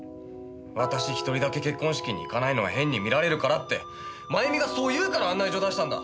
私１人だけ結婚式に行かないのは変に見られるからってまゆみがそう言うから案内状出したんだ。